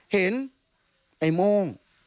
เห็นไอ้โม่ง